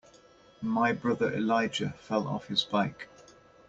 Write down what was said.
My brother Elijah fell off his bike.